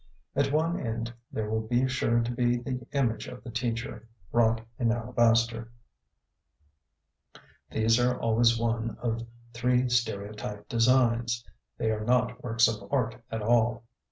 At one end there will be sure to be the image of the teacher, wrought in alabaster. These are always one of three stereotyped designs; they are not works of art at all.